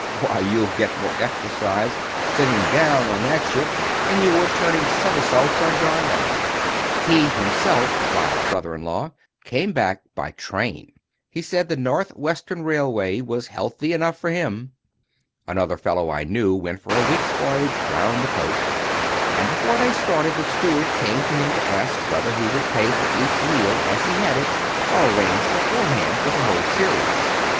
why, you'll get more exercise, sitting down on that ship, than you would turning somersaults on dry land." He himself—my brother in law—came back by train. He said the North Western Railway was healthy enough for him. Another fellow I knew went for a week's voyage round the coast, and, before they started, the steward came to him to ask whether he would pay for each meal as he had it, or arrange beforehand for the whole series.